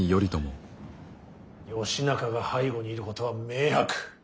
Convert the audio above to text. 義仲が背後にいることは明白。